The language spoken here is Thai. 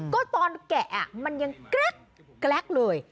ก็ตอนแกะมันยังแกรกแกรกเลย